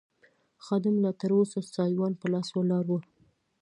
خادم لا تراوسه سایوان په لاس ولاړ و.